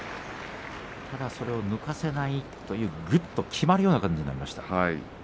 ただ、それを抜かせないぐっときまるような感じになりました。